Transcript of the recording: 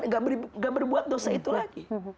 gak berbuat dosa itu lagi